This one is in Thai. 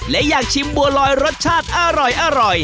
และอยากชิมบัวลอยรสชาติอร่อย